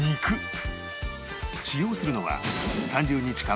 使用するのは３０日間